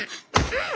うん！